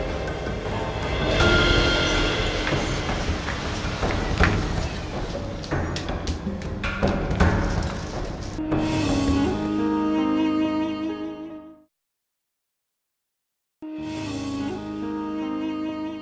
dia juga menangis